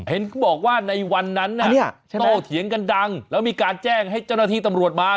เขาบอกว่าในวันนั้นโตเถียงกันดังแล้วมีการแจ้งให้เจ้าหน้าที่ตำรวจมา